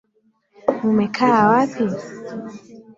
Mumekaa wapi?